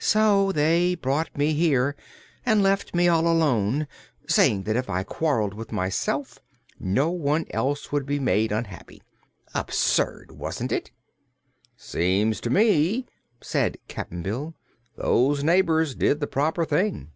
So they brought me here and left me all alone, saying that if I quarreled with myself, no one else would be made unhappy. Absurd, wasn't it?" "Seems to me," said Cap'n Bill, "those neighbors did the proper thing."